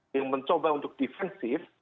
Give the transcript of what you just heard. yang mencoba untuk defensif